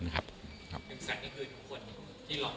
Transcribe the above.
หนึ่งสันที่คือถึงคนที่หล่อเวียนถ้าเกิด